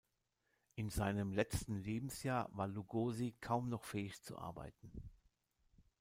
In seinem letzten Lebensjahr war Lugosi kaum noch fähig zu arbeiten.